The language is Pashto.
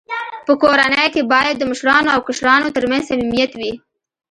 په کورنۍ کي باید د مشرانو او کشرانو ترمنځ صميميت وي.